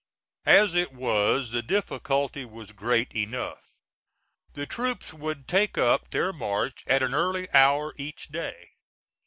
As it was the difficulty was great enough. The troops would take up their march at an early hour each day.